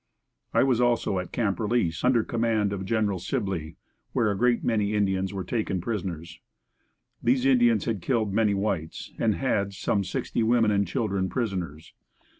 I was also at Camp Release, under command of Gen. Sibley, where a great many Indians were taken prisoners. These Indians had killed many whites, and had some sixty women and children, prisoners.